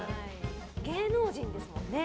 芸能人ですからね。